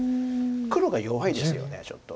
黒が弱いですよねちょっと。